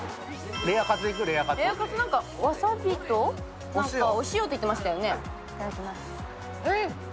三崎マグロ、わさびとお塩って言ってましたね。